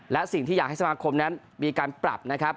และสิ่งที่อยากให้สมาคมนั้นมีการปรับนะครับ